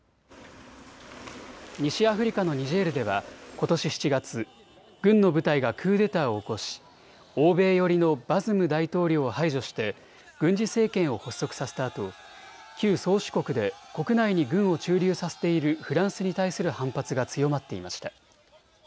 西アフリカのニジェールではことし７月、軍の部隊がクーデターを起こし欧米寄りのバズム大統領を排除して軍事政権を発足させたあと旧宗主国で国内に軍を駐留させているフランスに対する反発が強まっていました。